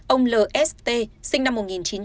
ông lst sinh năm một nghìn chín trăm sáu mươi tám